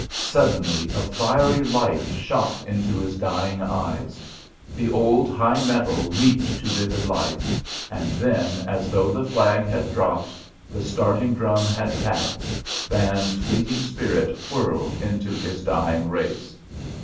Suddenly a fiery light shot into his dying eyes. The old high mettle leaped to vivid life, and then, as though the flag had dropped, the starting drum had tapped, Van's fleeting spirit whirled into his dying race.